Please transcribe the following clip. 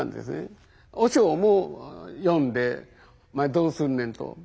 和尚も読んで「お前どうすんねん」と。